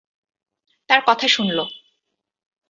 তার কথা শুনল।